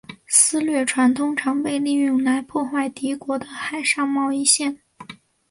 私掠船通常被利用来破坏敌国的海上贸易线。